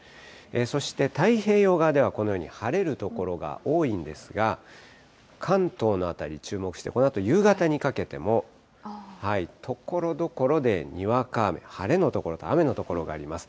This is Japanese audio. そして、太平洋側ではこのように晴れる所が多いんですが、関東の辺り注目して、このあと夕方にかけても、ところどころでにわか雨、晴れの所と雨の所があります。